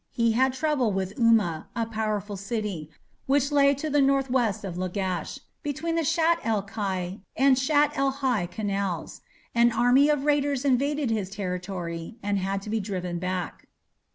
He had trouble with Umma, a powerful city, which lay to the north west of Lagash, between the Shatt el Kai and Shatt el Hai canals. An army of raiders invaded his territory and had to be driven back.